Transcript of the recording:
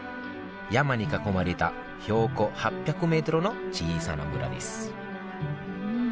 山に囲まれた標高８００ｍの小さな村です